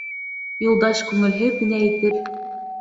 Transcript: Юлдаш күңелһеҙ генә итеп: